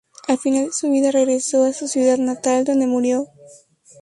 Al final de su vida regresó a su ciudad natal, donde murió.